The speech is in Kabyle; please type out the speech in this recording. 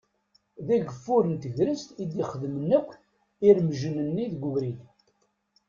D ageffur n tegrest i d-ixedmen akk iremjen-nni deg ubrid.